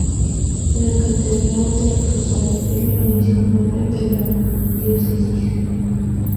La Catedral del Rosario es la iglesia madre de la diócesis.